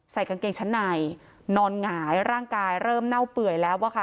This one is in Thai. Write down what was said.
กางเกงชั้นในนอนหงายร่างกายเริ่มเน่าเปื่อยแล้วอะค่ะ